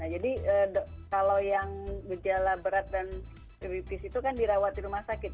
jadi kalau yang berjala berat dan kritis itu kan dirawat di rumah sakit